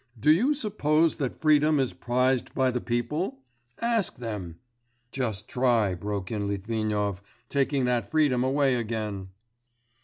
Do you suppose that freedom is prized by the people? Ask them ' 'Just try,' broke in Litvinov, 'taking that freedom away again.